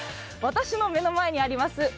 私の目の前にあります